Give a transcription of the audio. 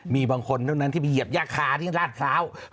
มีบางคนนึงนั้นที่ไปเหยียบยากคาที่ราชสาว